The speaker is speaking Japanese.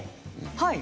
はい。